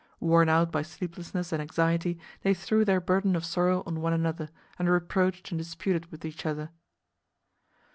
Worn out by sleeplessness and anxiety they threw their burden of sorrow on one another and reproached and disputed with each other.